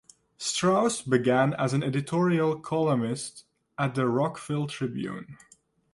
Strauss began as an editorial columnist at the "Rockville Tribune".